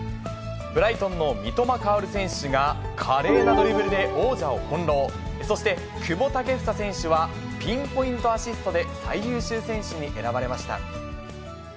ブライトンの三笘薫選手が、華麗なドリブルで王者を翻弄、そして久保建英選手はピンポイントアシストで最優秀選手に選ばれました。